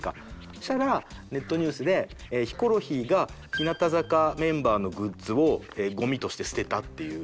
そしたらネットニュースで「ヒコロヒーが日向坂メンバーのグッズをゴミとして捨てた」っていう。